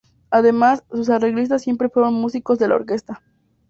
Además, sus arreglistas siempre fueron músicos de la orquesta.